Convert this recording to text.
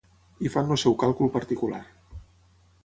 I fan el seu càlcul particular.